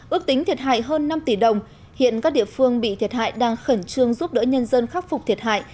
ước tính thiệt hại hơn năm tỷ đồng hiện các địa phương bị thiệt hại đang khẩn trương giúp đỡ nhân dân khắc phục thiệt hại